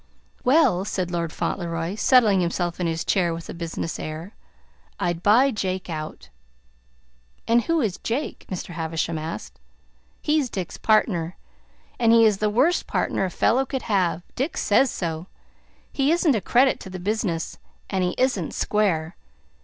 "Well," said Lord Fauntleroy, settling himself in his chair with a business air, "I'd buy Jake out." "And who is Jake?" Mr. Havisham asked. "He's Dick's partner, and he is the worst partner a fellow could have! Dick says so. He isn't a credit to the business, and he isn't square.